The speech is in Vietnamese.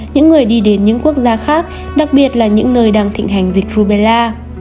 những người đi đến những quốc gia khác đặc biệt là những nơi đang thịnh hành dịch rubella